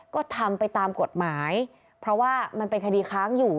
ก็ทำไปตามกฎหมายเพราะว่ามันเป็นคดีค้างอยู่